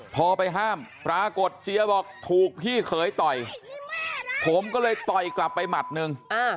พอไปห้ามปรากฏเจียบอกถูกพี่เขยต่อยผมก็เลยต่อยกลับไปหมัดหนึ่ง